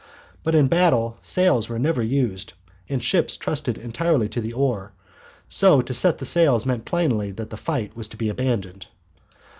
But in battle sails were never used and ships trusted entirely to the oar, so to set the sails meant plainly that the fight was to be abandoned.